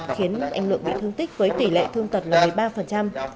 khiến anh lượng bị thương tích với tỷ lệ thương tật là một mươi ba